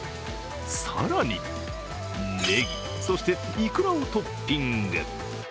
更に、ねぎ、そしていくらをトッピング。